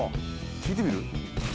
聞いてみる？